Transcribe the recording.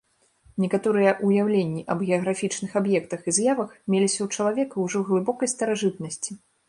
Некаторыя ўяўленні аб геаграфічных аб'ектах і з'явах меліся ў чалавека ўжо ў глыбокай старажытнасці.